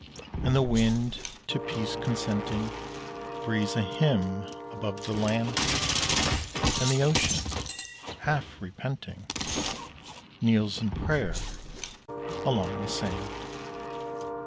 And the wind, to peace consenting, Breathes a hymn above the land; And the ocean, half repenting, Kneels in prayer along the sand.